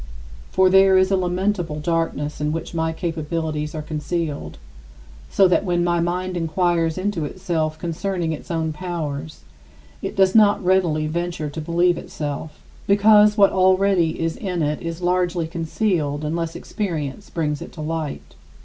For there is a lamentable darkness in which my capabilities are concealed, so that when my mind inquires into itself concerning its own powers, it does not readily venture to believe itself, because what already is in it is largely concealed unless experience brings it to light.